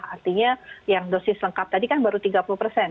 artinya yang dosis lengkap tadi kan baru tiga puluh persen